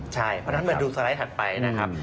ใช่เพราะฉะนั้นมาดูสไลด์ถัดไปนะครับ